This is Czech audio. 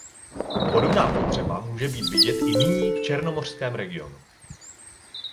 Podobná potřeba může být vidět i nyní v černomořském regionu.